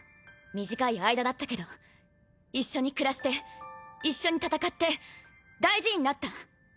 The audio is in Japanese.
短い間だったけど一緒に暮らして一緒に戦って大事になった。